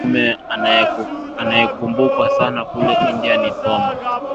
Mungu kwanza Mtume anayekumbukwa sana kule India ni Thoma